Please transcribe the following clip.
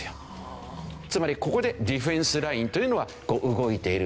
つまりここでディフェンスラインというのは動いている。